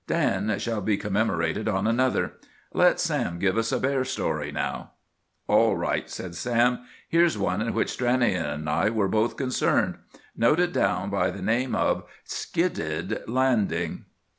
Dan shall be commemorated on another. Let Sam give us a bear story now." "All right," said Sam. "Here's one in which Stranion and I were both concerned. Note it down by the name of— 'SKIDDED LANDING.